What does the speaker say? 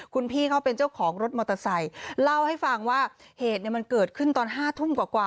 คุณพี่เขาเป็นเจ้าของรถมอเตอร์ไซค์เล่าให้ฟังว่าเหตุมันเกิดขึ้นตอน๕ทุ่มกว่า